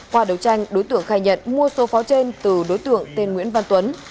qua đấu tranh đối tượng khai nhận mua số pháo trên từ đối tượng tên nguyễn văn tuấn